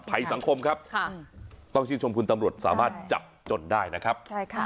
ภัยสังคมครับต้องชื่นชมคุณตำรวจสามารถจับจนได้นะครับใช่ค่ะ